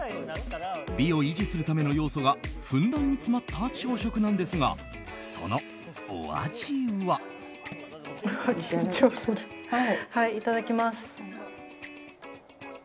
美を維持するための要素がふんだんに詰まった朝食なんですが、そのお味は？